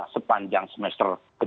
sepanjang semester ke dua